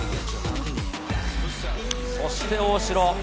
そして大城。